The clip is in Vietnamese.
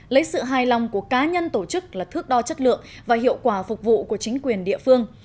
lấy sự hài lòng của cá nhân tổ chức là thước đo chất lượng và hiệu quả phục vụ của chính quyền địa phương